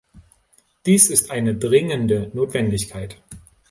Dies ist eine dringende Notwendigkeit.